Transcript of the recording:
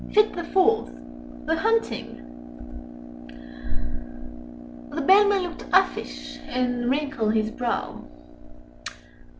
Fit the fourth THE HUNTING The Bellman looked uffish, and wrinkled his brow.